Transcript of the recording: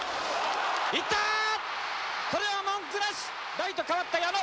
ライト代わった矢野。